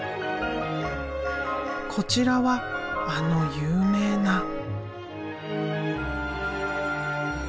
こちらはあの有名な。